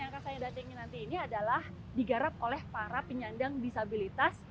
yang akan saya datangin nanti ini adalah digarap oleh para penyandang disabilitas